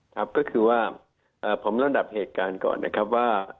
ครับก็คือว่าผมระดับเหตุการณ์ก่อนนะครับว่า